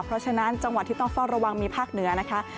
เพราะฉะนั้นจังหวัดที่ต้องเฝ้าระวังมีภาคเหนือนะคะ